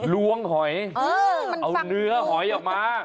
ล้วงหอยเอาเนื้อหอยออกมา